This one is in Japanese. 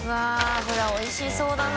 これはおいしそうだな。